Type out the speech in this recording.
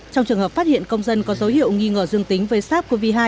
trong trường hợp phát hiện công dân có dấu hiệu nghi ngờ dương tính với sars cov hai